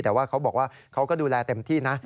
แต่ว่าเขาบอกว่าเขาก็ดูแลเต็มที่นะ